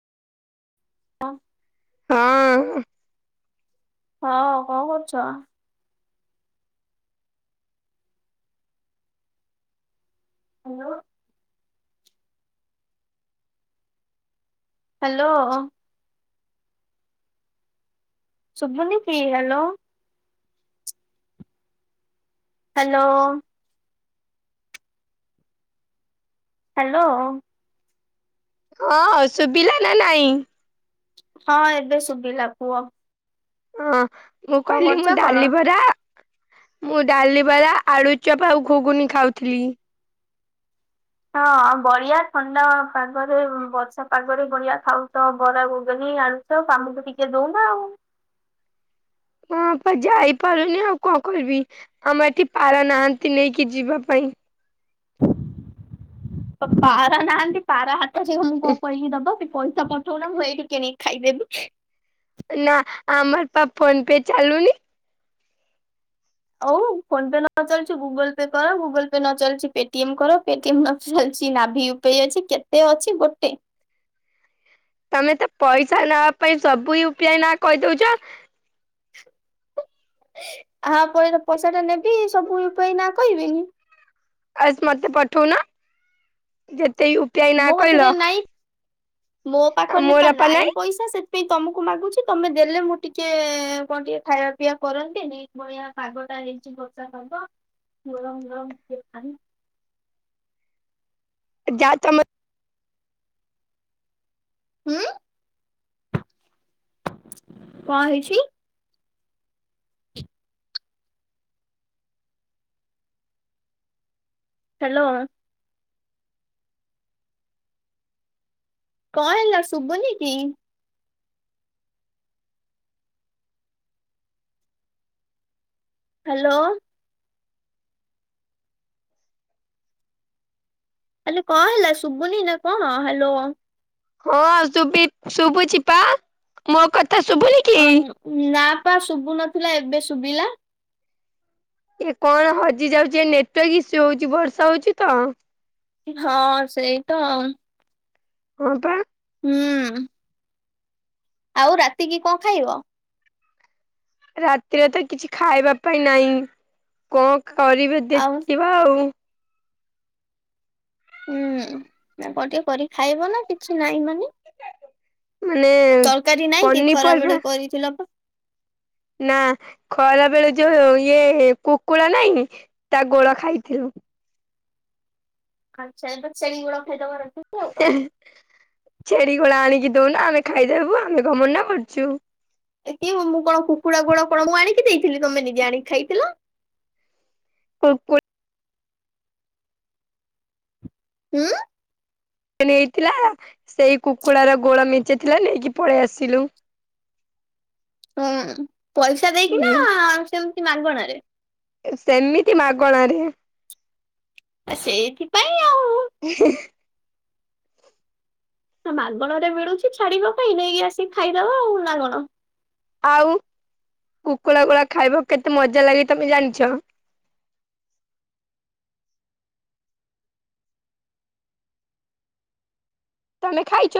ହଁ ହଁ। ହଁ କଣ କରୁଛ? ହ୍ୟାଲୋ। ହ୍ୟାଲୋ। ଶୁଭୁନି କି ହ୍ୟାଲୋ? ହ୍ୟାଲୋ। ହ୍ୟାଲୋ। ହଁ ଶୁଭିଲା ନା ନାଇଁ? ହଁ ଏବେ ଶୁଭିଲା କୁଅ? ହଁ ମୁଁ କହିଲି କରୁଛ ମୁଁ କଣ? ଡାଲି ବରା ମୁଁ ଡାଲି ବଲା ଆଳୁ ଚପ ଓ ଘୁଗୁନି ଖାଉଥିଲି। ହଁ ବଳିିଆ ଥଣ୍ଡା ପାଗରେ ବର୍ଷା ପାଗରେ ବଳିଆ ଖାଉତ ବରା ଗୁଗୁନି ଆଳୁ ସାମୁକୁ ଟିକେ ଦଉନ ଆଉ। ହଁପା ଯାଇପାରୁନି ଆଉ କଣ କରିବି ଆମ ଏଠି ପାରା ନାହାନ୍ତି ନେଇକି ଯିବା ପାଇଁ। ପାରା ନାହାନ୍ତି ପାରା ହାତ ସେ ମୁଁ କଣ କହିକି ଦବ ପଇସା ପ ଶୁଣ ମୁ ଏଇଟି କିଣିକି ଖାଇଦେବି। ନା ଆମର ପା ଫୋନ ପେ ଚାଲୁନି। ହଉ ଫୋନ ପେ ନଚାଲିଛି ଗୁଗୁଲ ପେ କର ଗୁଗୁଲ ପେ ନ ଚାଲିଛି ପେଟିଏମ କର ପେଟିଏମ୍ ନ ଚାଲିଛି ନାଭିଉ କେୟ ଅଛି କେତେ ଅଛି ଗୋଟେ ତମେ ତ ପଇସା ନବା ପାଇଁ ସବୁ ୟୁ ପି ଆଇ ନା କହିଦଉଛ। ଆ ପରେ ପଇସା ଟା ନେବି ସବୁ ୟୁ ପି ଆଇ ନା କହିବେନି। ଆଜ୍ ମତେ ପଠଉ ନ ଯେତେ ୟୁ ପି ଆଇ ନା ମୋ କତିରେ କହିଲ ନାଇଁ ମୋ ପାଖରେ ପା ନାଇଁ ପଇସା। ଆ ସେତିକି ତମକୁ ମାଗୁଛି ତମେ ଦେଲେ ମୁଁ ଟିକେ କଣ ଟିକେ ଖାଇବା ପିଇବା କରନ୍ତିନି। ବଳିଆ ପାଗ ଟା ହେଇଛି ବର୍ଷା ପାଗ ଗରମ ଗରମ ଟିକେ ଛଣୀ ଯା ଚାମଚ ହୁଁ କଣ ହେଇଛି? ହ୍ୟାଲୋ। କଣ ହେଲା ଶୁଭୁନି କି? ହ୍ୟାଲୋ। ଆଲେ କଣ ହେଲା ଶୁଭୁନି ନା କଣ ହ୍ୟାଲୋ? ହଁ ସୁବିପ୍ ଶୁଭୁଛି ପା ମୋ କଥା ଶୁଭୁନି କି? ଅ ନା ପା ଶୁଭୁ ନଥିଲା ଏବେ ଶୁଭିଲା। ଏ କଣ ହଜି ଯାଉଛି ଏ ନେଟୱାର୍କ ଇସୁ ହଉଛି ବର୍ଷା ହଉଛି ତ। ହଁ ସେଇ ତ ଆଉ। ହଁ ପା। ହୁଁ। ଆଉ ରାତିକି କଣ ଖାଇବ? ରାତିରେ ତ କିଛି ଖାଇବା ପାଇଁ ନାହିଁ କଣ କରିବେ ଆଉ ଦେଖିବା ଆଉ। ହୁଁ ଅ ଟିକେ କରି ଖାଇବ ନା କିଛି ନାଇଁ ମାନେ। ମାନେ। ତରକାରୀ ନାଇଁ କି ଖରା ପନିପରିବା ବେଳେ କରିଥିଲ ପା? ନା ଖରା ବେଳେ ଯୋଉ ଇଏ କୁକୁଡ଼ା ନାହିଁ ତା ଗୋଡ ଖାଇଥିଲୁ। ଆଚ୍ଛା ଏବେ ଛେଳି ଗୋଡ଼ ଖାଇଦବ ରାତି। ଛେଳି ଗୋଡ଼ ଆଣିକି ଦଉନା ଆମେ ଖାଇଦବୁ ଆମେ କଣ ମନା କରୁଛୁ। ଏ କି ମୁଁ କଣ କୁକୁଡ଼ା ଗୁଡ କଣ ମୁଁ ଆଣିକି ଦେଇଥିଲି ତମେ ନିଜେ ଆଣିକି ଖାଇଥିଲ? ପୁ ପୂତ୍। ହୁଁ। ସେ ନେଇଥିଲା ସେଇ କୁକୁଡାର ଗୋଡ ମେଞ୍ଚେ ଥିଲା ନେଇକି ପଳେଇ ଆସିଲୁ। ହଁ ପଇସା ଦେଇକି ନା ହୁଁ ସେମିତି ମାଗଣରେ। ସେମିତି ମାଗଣାରେ। ଆ ସେଇଥିପାଇଁ ଆଉ। [inaudible] ମାଗଣ ରେ ମିଳୁଛି ଛାଡିବା ପାଇଁ ନେଇକି ଆସିକି ଖାଇଦବା ଆଉ ନା କଣ। ଆଉ କୁକୁଡ଼ କୁଳା ଖାଇବ କେତେ ମଜା ଲାଗେ ତମେ ଜାଣିଚ? ତାହାନେ ଖାଇଛ।